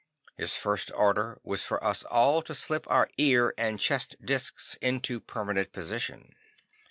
His first order was for us all to slip our ear and chest discs into permanent position.